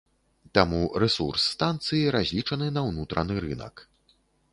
Таму рэсурс станцыі разлічаны на ўнутраны рынак.